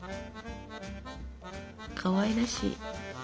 かわいらしい。